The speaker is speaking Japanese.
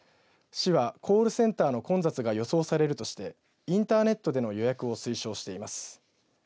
市は、コールセンターの混雑が予想されるとしてインターネットでの予約を推奨しています。